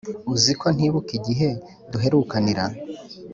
uziko ntibuka igihe duherukanira